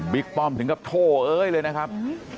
ป้อมถึงกับโทเอ้ยเลยนะครับ